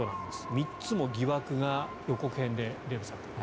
３つも疑惑が予告編でデーブさん。